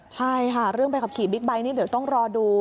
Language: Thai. ใช่ค่ะเรื่องใบขับขี่บิ๊กไบท์นี่เดี๋ยวต้องรอดู